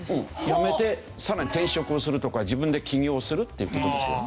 辞めて更に転職をするとか自分で起業するっていう事ですよね。